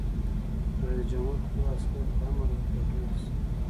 رئیس جمهور خپلو عسکرو ته امر وکړ؛ ډز!